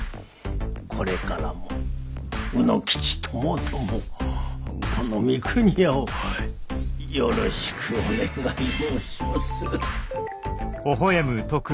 これからも卯之吉ともどもこの三国屋をよろしくお願い申します。